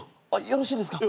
よろしいですか？